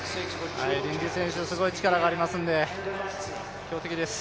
リンジー選手、すごい力がありますので、強敵です。